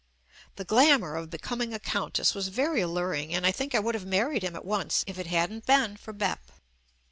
The glamour of becoming a countess was very al luring, and I think I would have married him at once if it hadn't been for "Bep."